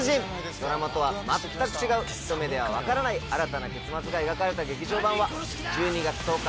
ドラマとは全く違うひと目ではわからない新たな結末が描かれた劇場版は１２月１０日